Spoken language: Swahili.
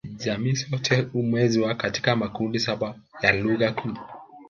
Jamii zote humezwa katika makundi saba ya lugha kuu